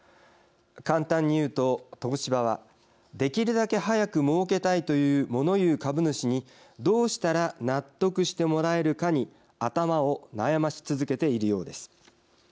簡単にいうと東芝はできるだけ早くもうけたいというもの言う株主にどうしたら納得してもらえるかに頭を悩まし続けているようです。